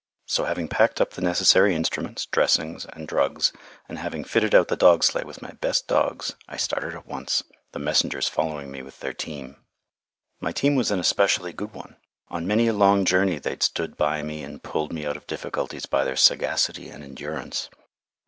So, having packed up the necessary instruments, dressings, and drugs, and having fitted out the dog sleigh with my best dogs, I started at once, the messengers following me with their team. My team was an especially good one. On many a long journey they had stood by me and pulled me out of difficulties by their sagacity and endurance.